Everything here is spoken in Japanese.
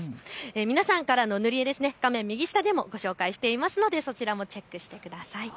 皆さんからの塗り絵、画面右下でもご紹介していますのでそちらもチェックしてください。